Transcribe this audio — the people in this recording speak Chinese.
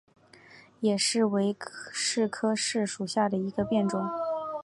野柿为柿科柿属下的一个变种。